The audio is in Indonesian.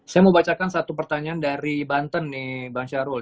saya mau bacakan satu pertanyaan dari banten nih bang syahrul